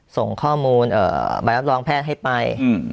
ส่งข้อมูลใบรับรองแพทย์ให้ไป